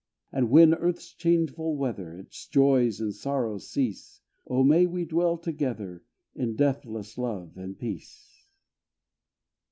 And when earth's changeful weather, Its joys and sorrows cease, O may we dwell together In deathless love and peace!